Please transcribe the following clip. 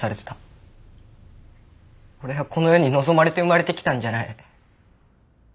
俺はこの世に望まれて生まれてきたんじゃない。